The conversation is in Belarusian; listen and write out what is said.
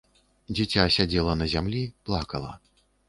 Дзіця сядзела на зямлі, плакала.